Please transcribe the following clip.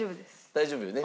大丈夫よね。